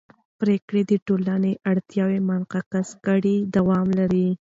پرېکړې چې د ټولنې اړتیاوې منعکس کړي دوام لري